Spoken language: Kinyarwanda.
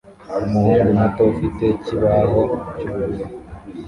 Umuhungu muto ufite ikibaho cyubururu